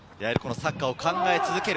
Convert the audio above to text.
サッカーを考え続ける。